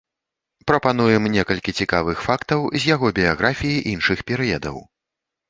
Прапануем некалькі цікавых фактаў з яго біяграфіі іншых перыядаў.